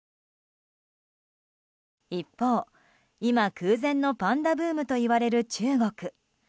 一方、今、空前のパンダブームといわれる中国。